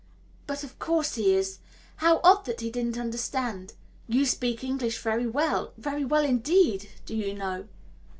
But of course he is how odd that he didn't understand. You speak English very well, very well indeed, do you know."